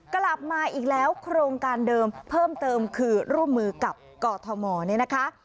กลับมาอีกแล้วโครงการเดิมเพิ่มเติมคือร่วมมือกับกอทมเนี่ยนะคะ